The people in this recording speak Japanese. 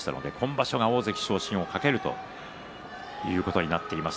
今場所、大関昇進を懸けるということになっています。